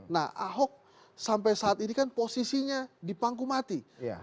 nah ahok sampai saat ini kan posisinya dipangku mati